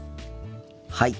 はい。